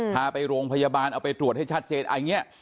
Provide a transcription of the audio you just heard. พาไปโรงพยาบาลเอาไปตรวจให้ชัดเจนอันนี้